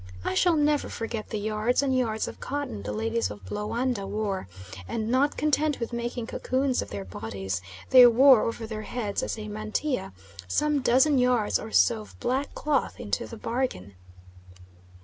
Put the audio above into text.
I shall never forget the yards and yards of cotton the ladies of Loanda wore; and not content with making cocoons of their bodies, they wore over their heads, as a mantilla, some dozen yards or so of black cloth into the bargain.